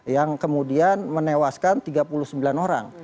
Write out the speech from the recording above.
yang kemudian menewaskan tiga puluh sembilan orang